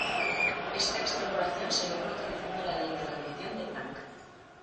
Esta extrapolación se logra utilizando la ley de radiación de Planck.